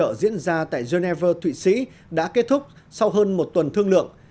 hòa đàm của nga tại geneva thụy sĩ đã kết thúc sau hơn một tuần thương lượng